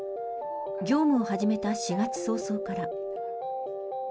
業務を始めた４月早々から。